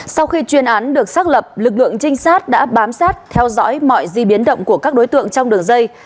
sau khi chuyên án được xác lập lực lượng trinh sát đã bám sát theo dõi mọi di biến động của các đối tượng trong đường dây